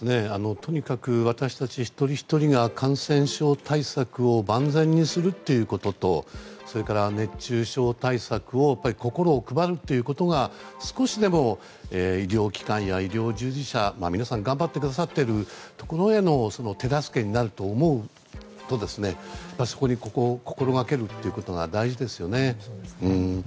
とにかく私たち一人ひとりが感染症対策を万全にするということとそれから熱中症対策に心を配るということが少しでも医療機関や医療従事者皆さん頑張ってくださっているところへの手助けになると思うとそれを心がけることが大事ですよね。